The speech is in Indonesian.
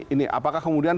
ini apakah kemudian